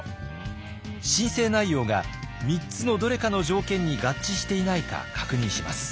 申請内容が３つのどれかの条件に合致していないか確認します。